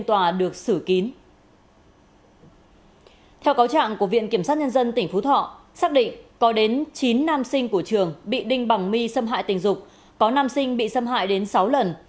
theo cáo trạng của viện kiểm sát nhân dân tỉnh phú thọ xác định có đến chín nam sinh của trường bị đinh bằng my xâm hại tình dục có nam sinh bị xâm hại đến sáu lần